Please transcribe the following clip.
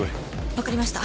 分かりました。